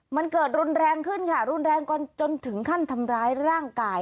มันเกิดรุนแรงขึ้นค่ะรุนแรงก่อนจนถึงขั้นทำร้ายร่างกาย